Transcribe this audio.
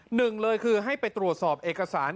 หนึ่งเลยคือให้ไปตรวจสอบเอกสาร